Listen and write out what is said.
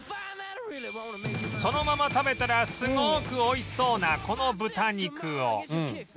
そのまま食べたらすごく美味しそうなこの豚肉を